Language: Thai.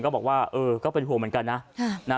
บอกว่าเออก็เป็นห่วงเหมือนกันนะ